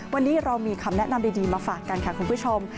วันนี้เรามีคำแนะนำดีมาฝากกันค่ะคุณผู้ชม